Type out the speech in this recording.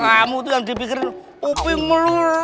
kamu tuh yang dipikirin uping melur